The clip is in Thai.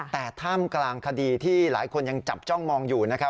แต่ท่ามกลางคดีที่หลายคนยังจับจ้องมองอยู่นะครับ